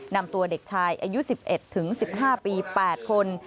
นำตัวเด็กชายอายุ๑๑ถึง๑๕ปี๘คน